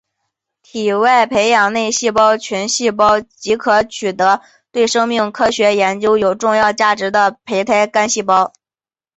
体外培养内细胞群细胞即可取得对生命科学研究有重要价值的胚胎干细胞